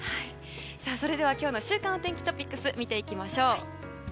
それでは今日の週間お天気トピックスを見ていきましょう。